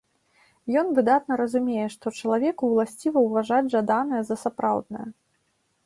Ён выдатна разумее, што чалавеку ўласціва ўважаць жаданае за сапраўднае.